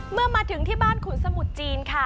เมื่อมาถึงที่บ้านขุนสมุทรจีนค่ะ